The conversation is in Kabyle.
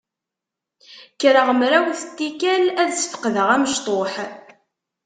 Kkreɣ mrawet n tikkal ad sfeqdeɣ amecṭuḥ.